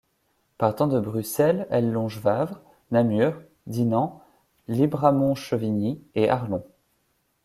Partant de Bruxelles, elle longe Wavre, Namur, Dinant, Libramont-Chevigny et Arlon.